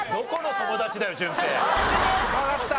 わかった。